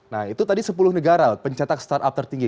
nah itu tadi sepuluh negara pencetak startup tertinggi